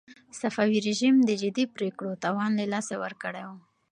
صفوي رژيم د جدي پرېکړو توان له لاسه ورکړی و.